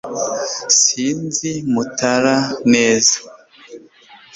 sinzi mutara neza